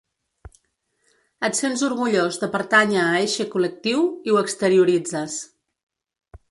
Et sents orgullós de pertànyer a eixe col·lectiu i ho exterioritzes.